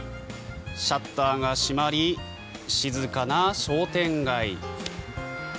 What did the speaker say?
シャッターが閉まり静かな商店街。